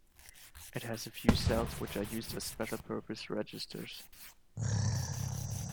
It has a few cells which are used as special-purpose registers.